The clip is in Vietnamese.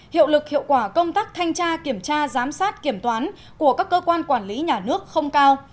hiệu lực hiệu quả công tác thanh tra kiểm tra giám sát kiểm toán của các cơ quan quản lý nhà nước không cao